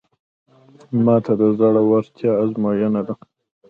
ماته د زړورتیا ازموینه ده.